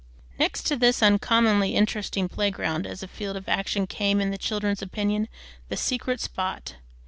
Next to this uncommonly interesting playground, as a field of action, came, in the children's opinion, the "secret spot."